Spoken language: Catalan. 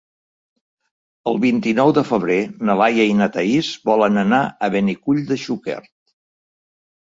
El vint-i-nou de febrer na Laia i na Thaís volen anar a Benicull de Xúquer.